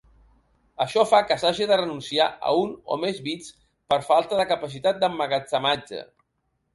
Això fa que s'hagi de renunciar a un o més bits per falta de capacitat d'emmagatzematge.